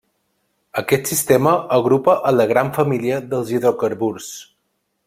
Aquest sistema agrupa a la gran família dels hidrocarburs.